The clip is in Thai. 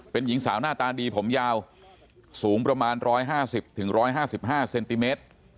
เป็นหญิงสาวหน้าตาดีผมยาวสูงประมาณ๑๕๐๑๕๕เซนติเมตร